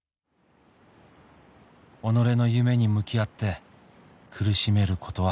「己の夢に向き合って苦しめることは」